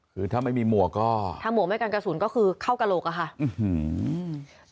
คือถ้าไม่มีหมวกก็ถ้าหมวกไม่กันกระสุนก็คือเข้ากระโหลกอะค่ะอื้อหือ